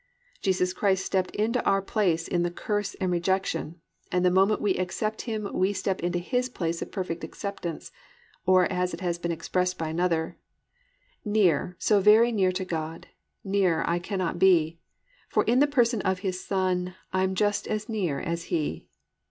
"+ Jesus Christ stepped into our place in the curse and rejection, and the moment we accept Him we step into His place of perfect acceptance, or as it has been expressed by another: "Near, so very near to God, Nearer I cannot be; For in the person of His Son, I'm just as near as He.